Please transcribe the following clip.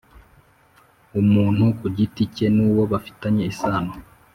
Umuntu ku giti cye n uwo bafitanye isano